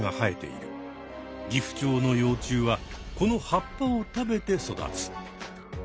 ギフチョウの幼虫はこの葉っぱを食べて育つ。